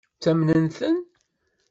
Ttamnen-ten?